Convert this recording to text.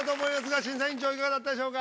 審査委員長いかがだったでしょうか？